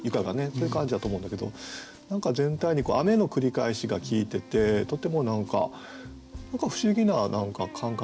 そういう感じだと思うんだけど何か全体に「雨」の繰り返しが効いててとても何か不思議な感覚があってですね。